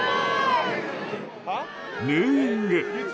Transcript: ヌーイング。